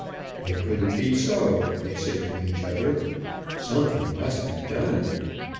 It couldn't be so, they said to each other. Something must be done.